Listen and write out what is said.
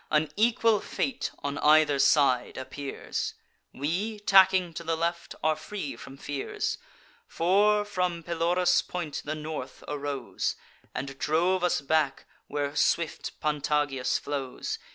An equal fate on either side appears: We, tacking to the left, are free from fears; For, from Pelorus' point, the North arose, And drove us back where swift Pantagias flows.